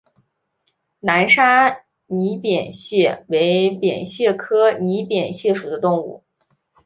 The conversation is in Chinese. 南沙拟扁蟹为扁蟹科拟扁蟹属的动物。